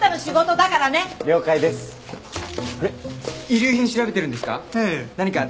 遺留品調べてるんですか？